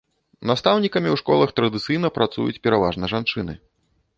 Настаўнікамі ў школах традыцыйна працуюць пераважны жанчыны.